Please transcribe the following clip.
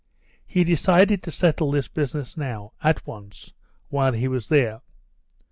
He decided to settle this business now, at once, while he was there.